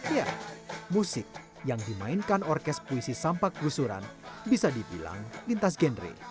ya musik yang dimainkan orkes puisi sampak gusuran bisa dibilang lintas genre